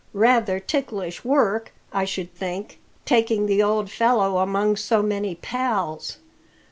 Rather ticklish work, I should think, taking the old fellow among so many pals.